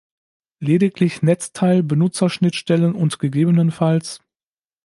Lediglich Netzteil, Benutzer-Schnittstellen und ggf.